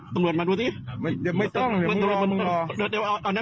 ต่างคนตัดสายด้วยนะ